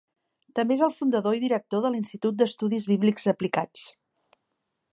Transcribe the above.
També és el fundador i director de l'Institut d'Estudis Bíblics Aplicats.